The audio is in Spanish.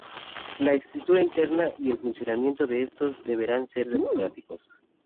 La estructura interna y el funcionamiento de estos deberán ser democráticos.